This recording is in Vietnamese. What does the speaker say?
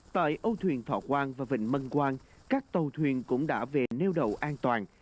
tại ô thuyền thọ quang và vịnh mân quang các tàu thuyền cũng đã về nêu đạo an toàn